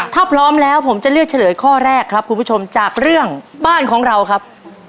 ถ้าพร้อมแล้วผมจะเลือกเฉลยข้อแรกครับคุณผู้ชมจากเรื่องบ้านของเราครับ